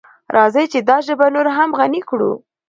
راځئ چې دا ژبه نوره هم غني کړو.